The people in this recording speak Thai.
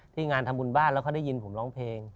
งานทำบุญบ้านแล้วเขาได้ยินผมร้องเพลง